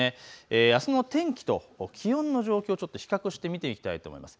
あすの天気と気温の状況を比較して見ていきたいと思います。